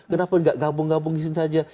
kenapa gak gabung gabung saja